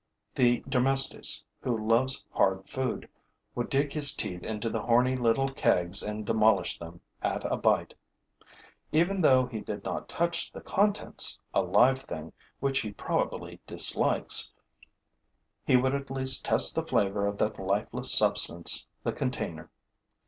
The Dermestes, who loves hard food, would dig his teeth into the horny little kegs and demolish them at a bite. Even though he did not touch the contents, a live thing which he probably dislikes, he would at least test the flavor of that lifeless substance, the container.